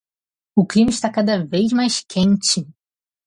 O clima está cada vez mais quente!